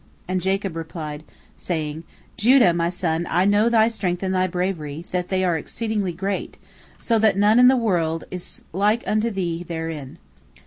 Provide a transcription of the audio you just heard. And Jacob replied, saying, "Judah, my son, I know thy strength and thy bravery, that they are exceeding great, so that none in the world is like unto thee therein."